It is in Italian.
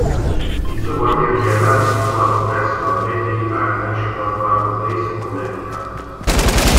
Il suo quartier generale è situato presso la Bradley Air National Guard Base, Connecticut.